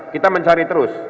kita mencari terus